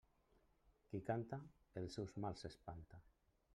Qui canta els seus mals espanta.